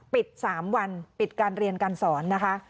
ปิด๓วันปิดการเรียนการสอนนะคะ